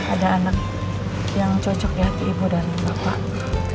ada anak yang cocok ya ibu dan bapak